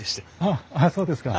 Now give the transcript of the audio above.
ああそうですか。